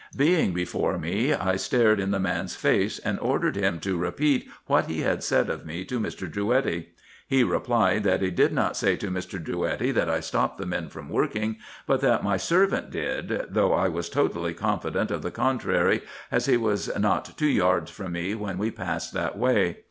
Being before me, I stared in the man's face, and ordered him to repeat what he had said of me to Mr. Drouetti. He replied, that he IN EGYPT, NUBIA, &c. 369 did not say to Mr. Drouetti that I stopped the men from working, but that my servant did, though I was totally confident of the con trary, as he was not two yards from me when we passed that way.